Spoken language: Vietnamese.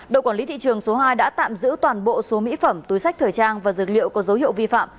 đội quản lý thị trường số hai đã tạm giữ toàn bộ số mỹ phẩm túi sách thời trang và dược liệu có dấu hiệu vi phạm